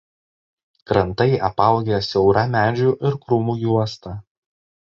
Krantai apaugę siaura medžių ir krūmų juosta.